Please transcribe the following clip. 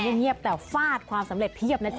เงียบแต่ฟาดความสำเร็จเพียบนะจ๊